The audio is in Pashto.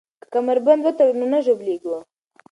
که کمربند وتړو نو نه ژوبلیږو.